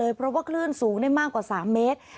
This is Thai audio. เพราะว่าคลื่นสูงได้มากกว่า๓เมตร